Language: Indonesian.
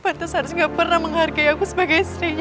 patus harus gak pernah menghargai aku sebagai istrinya